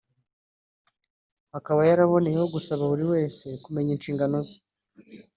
Akaba yaraboneyeho gusaba buri wese kumenya inshingano ze